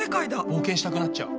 冒険したくなっちゃう。